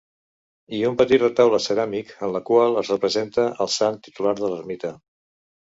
I un petit retaule ceràmic en la qual es representa al sant titular de l'ermita.